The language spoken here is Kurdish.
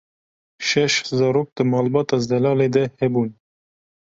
Şeş zarok di malbata Zelalê de hebûn.